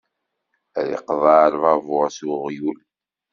Ad iqḍeɛ lbabuṛ s uɣyul.